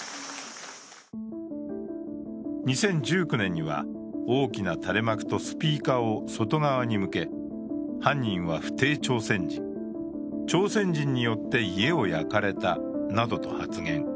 ２０１９年には大きな垂れ幕とスピーカーを外側に向け、犯人は不逞朝鮮人、朝鮮人によって家を焼かれたなどと発言。